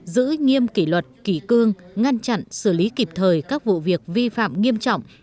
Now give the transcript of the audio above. giữ nghiêm kỷ luật kỷ cương ngăn chặn xử lý kịp thời các vụ việc vi phạm nghiêm trọng